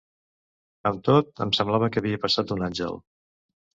Amb tot, em semblava que havia passat un àngel.